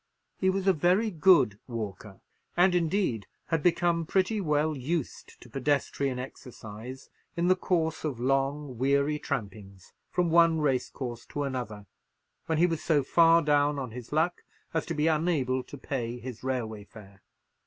He was a very good walker, and, indeed, had become pretty well used to pedestrian exercise in the course of long weary trampings from one racecourse to another, when he was so far down on his luck as to be unable to pay his railway fare.